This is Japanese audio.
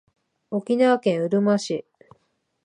沖縄県うるま市